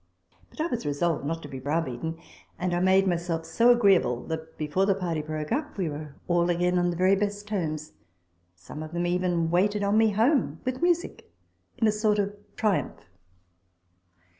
But I was resolved not to be brow beaten ; and I made myself so agreeable, that, before the party broke up, we were all again on the very best terms ; some of them even waited on me home, with music, in a sort of triumph